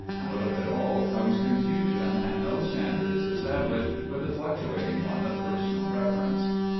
Out of it all comes confusion, and no standard is estab lished but the fluctuating one of personal preference.